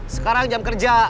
sekarang jam kerja